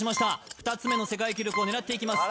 ２つ目の世界記録を狙っていきます